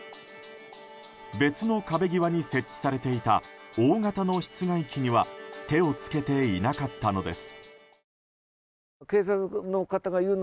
別の壁際に設置されていた大型の室外機には手をつけていなかったのです。